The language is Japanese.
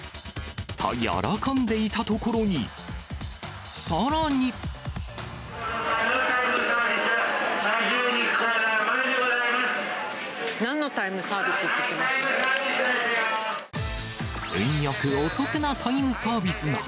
と喜んでいたところに、タイムサービス、牛肉コーナー。なんのタイムサービスって言運よくお得なタイムサービスが。